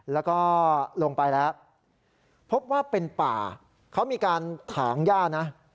แล้วก็ลงไปแล้วพบว่าเป็นป่าเขามีการถางย่านะ